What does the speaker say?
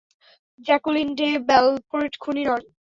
Jacqueline de Belfort খুনি নন।